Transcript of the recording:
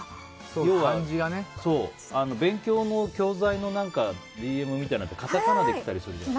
勉強の教材のＤＭみたいなのでカタカナできたりする。